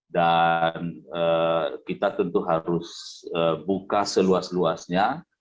dan kita tentu harus buka seluas luasnya